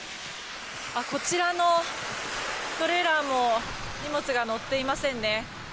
こちらのトレーラーも荷物が載っていませんね。